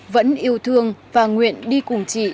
vẫn yêu thương và nguyện đi cùng chị